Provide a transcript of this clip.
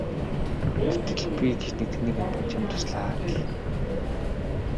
Гэтэл би гэж тэнэг амьтан чамд туслаад л!